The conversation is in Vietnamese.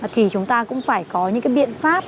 thì chúng ta cũng phải có những cái biện pháp